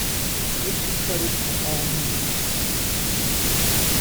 Listed credits from AllMusic.